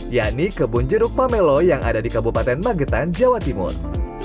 yakni kebun jeruk pamelo yang ada di kabupaten magetan jawa timur